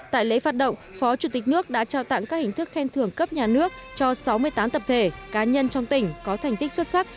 tại lễ phát động phó chủ tịch nước đã trao tặng các hình thức khen thưởng cấp nhà nước cho sáu mươi tám tập thể cá nhân trong tỉnh có thành tích xuất sắc